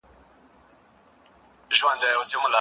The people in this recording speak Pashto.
هغه کسان چي د نورو خدمت کوي، ښه خلک دي.